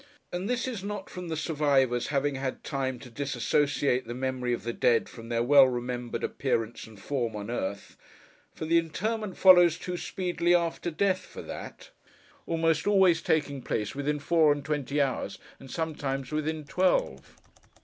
And this is not from the survivors having had time to dissociate the memory of the dead from their well remembered appearance and form on earth; for the interment follows too speedily after death, for that: almost always taking place within four and twenty hours, and, sometimes, within twelve.